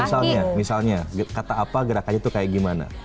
misalnya misalnya kata apa gerakannya itu kayak gimana